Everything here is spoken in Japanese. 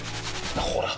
ほら！